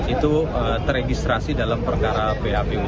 itu teregistrasi dalam perkara phpu